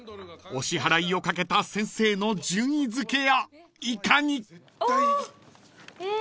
［お支払いをかけた先生の順位付けやいかに？］